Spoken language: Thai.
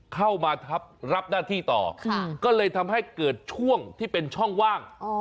เข้ามาทับรับหน้าที่ต่อก็เลยทำให้เกิดช่วงที่เป็นช่องว่าง